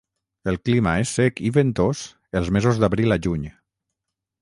El clima és sec i ventós els mesos d'abril a juny.